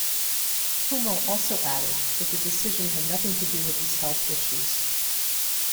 Fumo also added that the decision had nothing to do with his health issues.